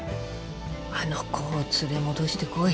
あの子を連れ戻してこい。